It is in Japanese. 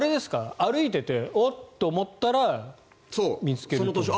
歩いていておっと思ったら見つけるという。